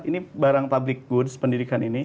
ini barang public goods pendidikan ini